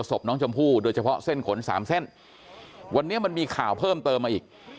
ศพน้องชมพู่โดยเฉพาะเส้นขนสามเส้นวันนี้มันมีข่าวเพิ่มเติมมาอีก